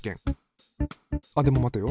あっでも待てよ。